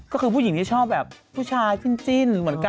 ก็คือผู้หญิงที่ชอบแบบผู้ชายจิ้นเหมือนกัน